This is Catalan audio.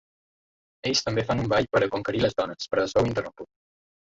Ells també fan un ball per a conquerir les dones però es veu interromput.